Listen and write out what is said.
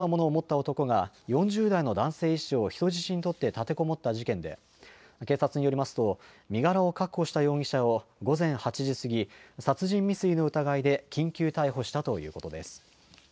昨夜、埼玉県ふじみ野市の住宅で、猟銃のようなものを持った男が、４０代の男性医師を人質に取って立てこもった事件で、警察によりますと、身柄を確保した容疑者を、午前８時過ぎ、殺人未遂の疑いで緊急逮捕したということです。